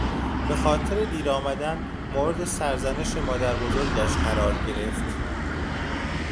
به خاطر دیر آمدن مورد سرزنش مادربزرگش قرار گرفت.